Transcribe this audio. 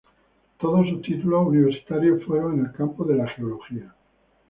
Todos sus títulos universitarios fueron en el campo de la geología.